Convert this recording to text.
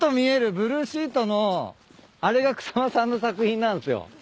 ブルーシートのあれが草間さんの作品なんすよ。